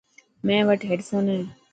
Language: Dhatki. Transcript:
ميڻ وٽ هيڊفون هي.